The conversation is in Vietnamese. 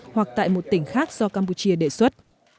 hoặc tại một tỉnh khác do campuchia đề xuất